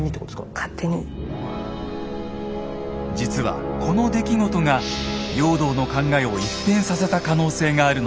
実はこの出来事が容堂の考えを一変させた可能性があるのです。